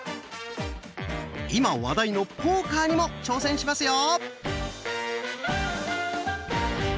今話題のポーカーにも挑戦しますよ！